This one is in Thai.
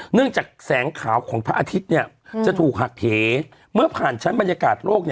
เนื่องจากแสงขาวของพระอาทิตย์จะถูกหักเหเมื่อผ่านชั้นบรรยากาศโลก